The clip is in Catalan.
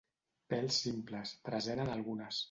Pèls simples. Present en algunes.